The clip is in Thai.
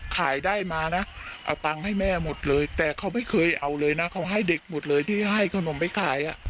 ขายได้มานะเอาตังค์ให้แม่หมดเลยแต่เขาไม่เคยเอาเลยนะเขาให้เด็กหมดเลยที่ให้ขนมไปขาย